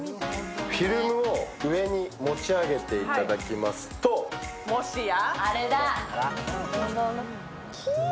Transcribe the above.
フィルムを上に持ち上げていただきますともしや？